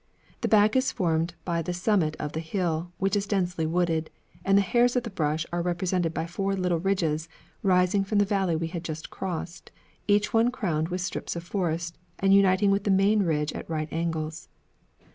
The back is formed by the summit of the hill, which is densely wooded, and the hairs of the brush are represented by four little ridges rising from the valley we had just crossed, each one crowned with strips of forest and uniting with the main ridge at right angles.